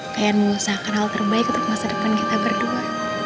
pengen mengusahakan hal terbaik untuk masa depan kita berdua